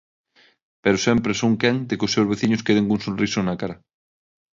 Pero sempre son quen de que os seus veciños queden cun sorriso na cara.